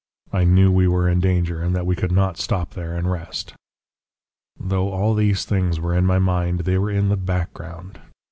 I knew we were in danger, and that we could not stop there and rest! "Though all these things were in my mind, they were in the background.